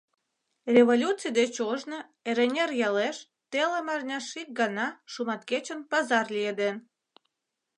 Революций деч ожно Эреҥер ялеш телым арняш ик гана, шуматкечын, пазар лиеден.